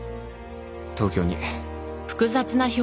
東京に。